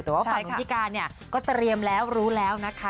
แต่ว่าความรู้พิการก็เตรียมแล้วรู้แล้วนะคะ